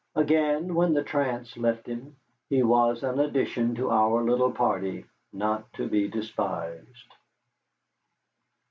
Again, when the trance left him, he was an addition to our little party not to be despised.